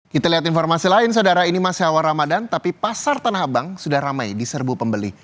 kita lihat informasi lain saudara ini masih awal ramadan tapi pasar tanah abang sudah ramai di serbu pembeli